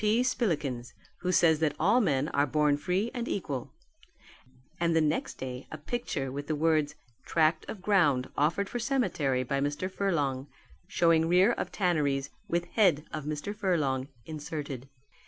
P. Spillikins, who says that all men are born free and equal"; and the next day a picture with the words, "Tract of ground offered for cemetery by Mr. Furlong, showing rear of tanneries, with head of Mr. Furlong inserted."